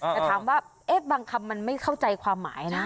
แต่ถามว่าบางคำมันไม่เข้าใจความหมายนะ